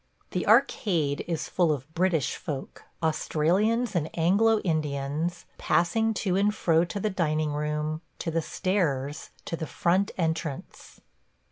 ... The arcade is full of British folk – Australians and Anglo Indians, passing to and fro to the dining room, to the stairs, to the front entrance.